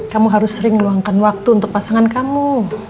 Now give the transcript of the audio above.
kamu harus sering luangkan waktu untuk pasangan kamu